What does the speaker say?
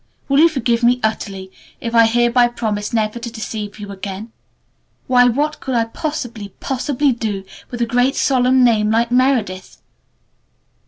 Will you forgive me utterly if I hereby promise never to deceive you again? Why what could I possibly, possibly do with a great solemn name like 'Meredith'?